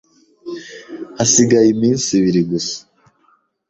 Hasigaye iminsi ibiri gusa.